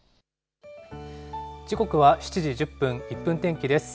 時刻は７時１０分、１分天気です。